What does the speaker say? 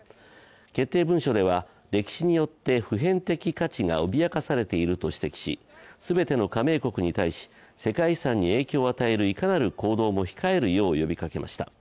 決定文書では歴史によって普遍的価値が脅かされていると指摘し全ての加盟国に対し、世界遺産に影響を与えるいかなる行動も控えるよう呼びかけました。